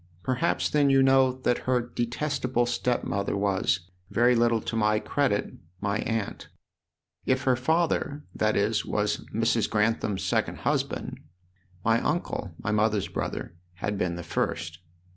." Perhaps then you know that her detestable stepmother was, very little to my credit, my aunt. If her father, that is, was Mrs. Grantham's second husband, my uncle, my mother's brother, had been the first.